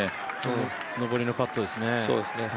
上りのパットですね。